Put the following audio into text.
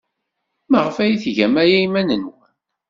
Maɣef ay tgam aya i yiman-nwen?